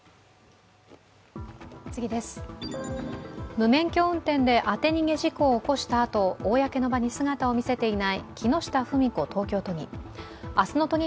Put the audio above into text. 無免許運転で当て逃げ事故を起こしたあと、公の場に姿を見せていない木下富美子東京都議。